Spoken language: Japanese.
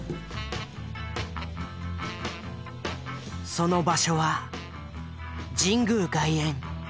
その場所は神宮外苑。